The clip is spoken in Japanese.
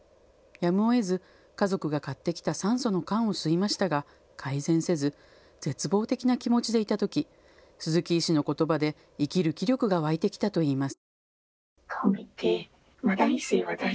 やむをえず、家族が買ってきた酸素の缶を吸いましたが改善せず絶望的な気持ちでいたとき鈴木医師のことばで生きる気力が湧いてきたといいます。